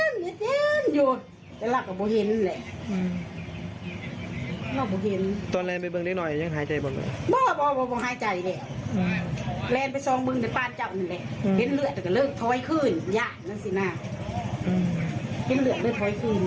นะฮะง่ายฮายใจเรไปหญิงมึงเด้อป้าเจ้ามึงนะเล็กเลือดเรียบ